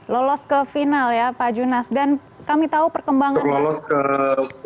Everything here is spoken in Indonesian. lolos ke final ya pak junas dan kami tahu perkembangannya